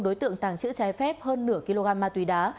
đối tượng tàng trữ trái phép hơn nửa kg ma túy đá